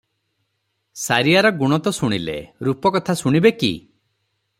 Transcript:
ସାରିଆର ଗୁଣ ତ ଶୁଣିଲେ, ରୂପ କଥା ଶୁଣିବେ କି?